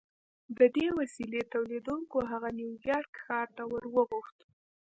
د دې وسیلې تولیدوونکي هغه نیویارک ښار ته ور وغوښت